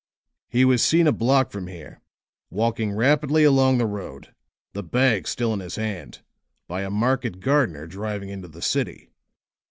"He was seen a block from here, walking rapidly along the road, the bag still in his hand, by a market gardener driving into the city.